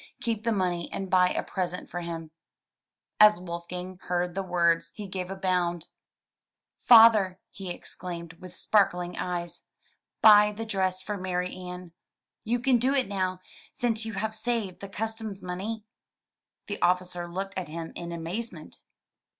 Keep the money and buy a present for him. As Wolfgang heard the words he gave a bound. "Father, "5 M Y BOOK HOUSE he exclaimed, with sparkling eyes, "buy the dress for Marianne. You can do it now, since you have saved the customs money." The officer looked at him in amazement.